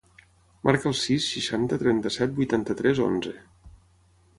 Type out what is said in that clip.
Marca el sis, seixanta, trenta-set, vuitanta-tres, onze.